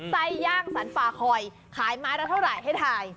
ย่างสรรฟาคอยขายไม้ละเท่าไหร่ให้ถ่าย